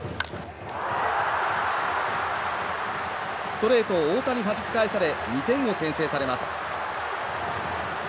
ストレートを太田にはじき返され２点を先制されます。